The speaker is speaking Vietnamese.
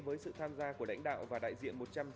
với sự tham gia của lãnh đạo và đại diện